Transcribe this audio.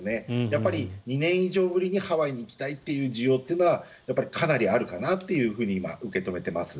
やっぱり２年以上ぶりにハワイに行きたいという需要というのはやっぱりかなりあるかなと受け止めています。